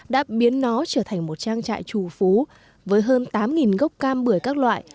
đã biến nó trở thành một trang trại trù phú với hơn tám gốc cam bưởi các loại